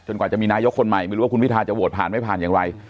กว่าจะมีนายกคนใหม่ไม่รู้ว่าคุณพิทาจะโหวตผ่านไม่ผ่านอย่างไร